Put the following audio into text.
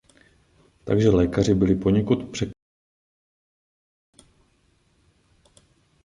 Takže lékaři byli poněkud překvapeni.